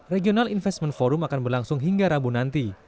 regional investment forum akan berlangsung hingga rabu nanti